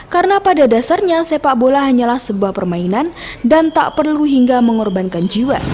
karena pada dasarnya sepak bola hanyalah sebuah permainan dan tak perlu hingga mengorbankan jiwa